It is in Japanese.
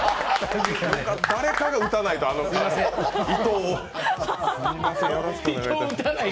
誰かが撃たないと、伊藤を。